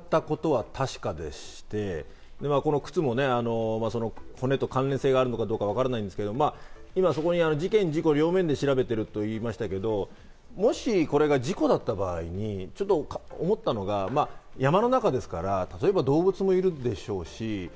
とはいえ人の骨が見つかったことは確かでして、この靴も骨と関連性があるのかどうかわからないですけど事件、事故の両面で調べてるとありましたけど、もし事故だった場合に、ちょっと思ったのが、山の中ですから、例えば動物もいるでしょうし。